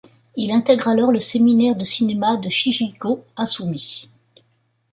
Il intègre alors le séminaire de cinéma de Shigehiko Hasumi.